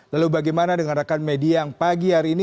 lalu bagaimana dengan rekan media yang pagi hari ini